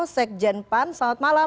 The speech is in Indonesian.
sekjen pan selamat malam